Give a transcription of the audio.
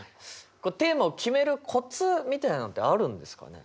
テーマを決めるコツみたいなのってあるんですかね？